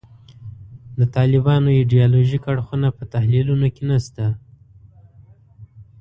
د طالبانو ایدیالوژیک اړخونه په تحلیلونو کې نشته.